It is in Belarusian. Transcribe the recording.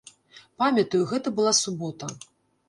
Памятаю, гэта была субота.